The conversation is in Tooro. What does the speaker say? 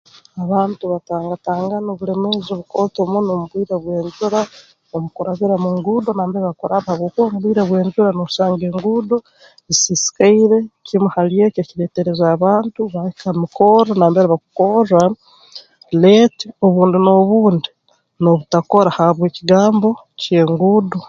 Abantu batangatangana obulemeezi obukooto muno mu bwire bw'enjura omu kurabira mu nguudo nambere bakuraba habwokuba mu bwire mu bw'enjura noosanga enguudo zisiisikaire kimu hali eki kireetereza abantu bahika ha mikorre nambere bakukorra late obundi n'obundi noobutakora habw'ekigambo ky'enguudo